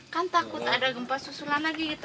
kan takut ada gempa susulan lagi gitu